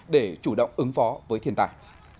để chủ động ứng phó với thiên tai